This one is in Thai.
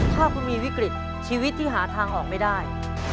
ถ้าคุณมีวิกฤตชีวิตที่หาทางออกไม่ได้